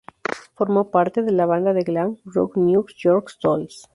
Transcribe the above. Formó parte de la banda de glam rock New York Dolls.